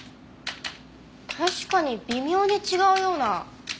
確かに微妙に違うような。